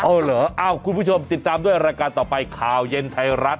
เอาเหรอเอ้าคุณผู้ชมติดตามด้วยรายการต่อไปข่าวเย็นไทยรัฐ